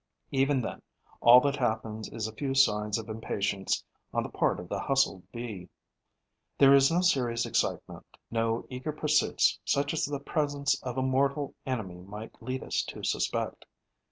Even then, all that happens is a few signs of impatience on the part of the hustled Bee. There is no serious excitement, no eager pursuits such as the presence of a mortal enemy might lead us to suspect.